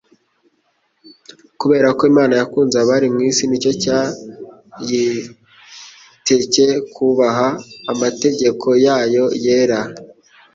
Kubera ko Imana yakunze abari mu isi nicyo cyayitcye kubaha amategeko yayo yera.